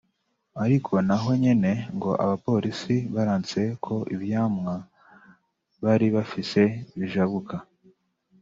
ariko na ho nyene ngo abapolisi baranse ko ivyamwa bari bafise bijabuka